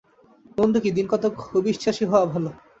মন্দ কি, দিনকতক হবিষ্যাশী হওয়া ভাল।